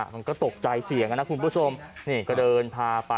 มันก็ตกใจเสี่ยงนะคุณผู้ชมนี่ก็เดินพาไป